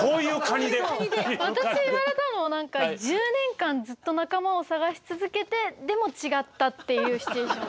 私言われたのは何か１０年間ずっと仲間を探し続けてでも違ったっていうシチュエーション。